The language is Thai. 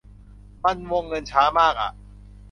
มัน วงเงินช้ามากอะ